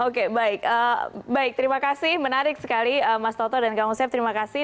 oke baik baik terima kasih menarik sekali mas toto dan kang usep terima kasih